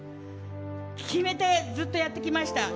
決めて、ずっとやってきました。